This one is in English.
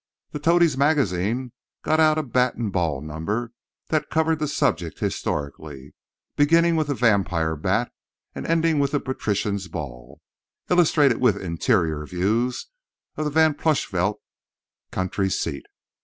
The Toadies' Magazine got out a Bat and Ball number that covered the subject historically, beginning with the vampire bat and ending with the Patriarchs' ball—illustrated with interior views of the Van Plushvelt country seat.